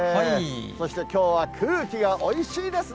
そしてきょうは空気がおいしいですね。